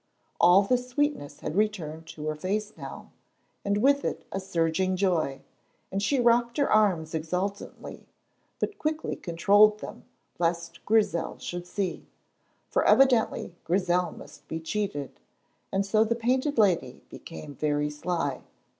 All the sweetness had returned to her face now, and with it a surging joy, and she rocked her arms exultantly, but quickly controlled them lest Grizel should see. For evidently Grizel must be cheated, and so the Painted Lady became very sly.